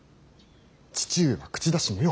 父上は口出し無用。